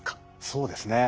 そうですね